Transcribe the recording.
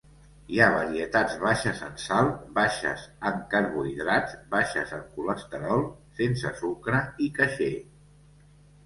Hi ha varietats baixes en sal, baixes en carbohidrats, baixes en colesterol, sense sucre i caixer.